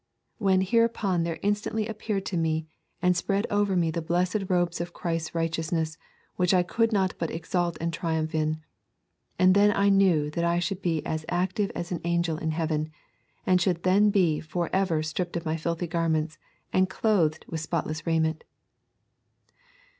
When hereupon there instantly appeared above me and spread over me the blessed robes of Christ's righteousness which I could not but exult and triumph in. And then I knew that I should be as active as an angel in heaven, and should then be for ever stripped of my filthy garments and clothed with spotless raiment.'